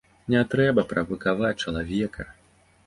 Не трэба правакаваць чалавека.